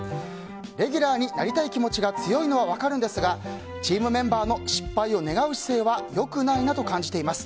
レギュラーになりたい気持ちが強いのは分かるんですがチームメンバーの失敗を願う姿勢は良くないなと感じています。